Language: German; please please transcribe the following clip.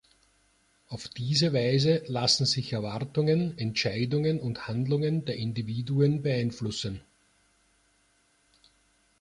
Auf diese Weise lassen sich Erwartungen, Entscheidungen und Handlungen der Individuen beeinflussen.